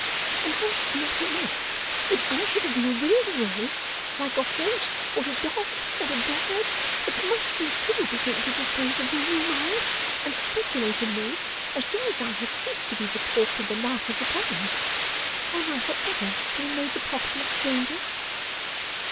And was it not enough that I should have been willed away, like a horse, or a dog, or a bird; but must you too begin to dispose of me in your mind, and speculate in me, as soon as I had ceased to be the talk and the laugh of the town? Am I for ever to be made the property of strangers?